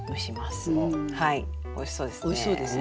おいしそうですね。